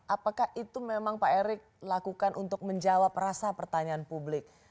apakah itu memang pak erick lakukan untuk menjawab rasa pertanyaan publik